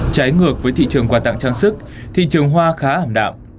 trái ngược với thị trường quà tặng trang sức thị trường hoa khá ảm đạm